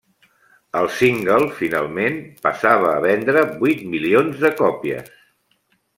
El single, finalment, passava a vendre vuit milions de còpies.